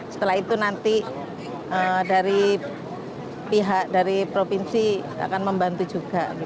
setelah itu nanti dari pihak dari provinsi akan membantu juga